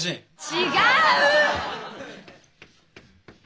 違う！